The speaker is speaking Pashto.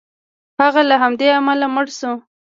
هغه له همدې امله مړ شو.